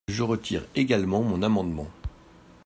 Je retire également mon amendement.